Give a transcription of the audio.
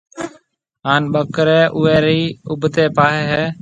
هانَ ٻڪري اوي ري اُوڀتي پاهيَ هيَ۔